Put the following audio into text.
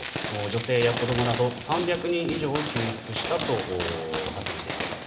女性や子どもなど３００人以上を救出したと発言しています。